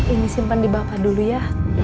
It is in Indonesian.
ini simpan di bapak dulu ya